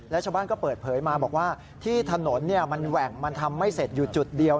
และชาวบ้านก็เปิดเผยมาบอกว่าที่ถนนมันแหว่งมันทำไม่เสร็จอยู่จุดเดียว